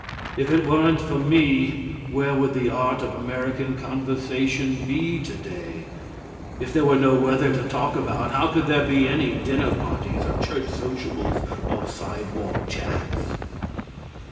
If it weren't for me where would the art of American conversation be to day? If there were no weather to talk about, how could there be any dinner parties or church sociables or sidewalk chats?